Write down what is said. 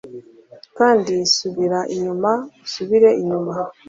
Kandi subira inyuma, usubire inyuma.